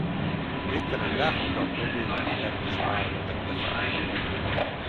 Végtelen gráfokra a problémát Erdős Pál vetette fel.